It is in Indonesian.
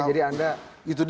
jadi anda masih betul